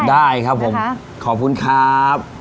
ได้ครับผมขอบคุณครับ